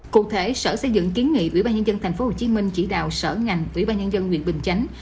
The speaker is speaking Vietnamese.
cụ thể sở xây dựng kiến nghị ủy ban nhân dân tp hcm chỉ đạo sở ngành ủy ban nhân dân huyện bình chánh